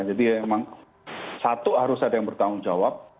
jadi memang satu harus ada yang bertanggung jawab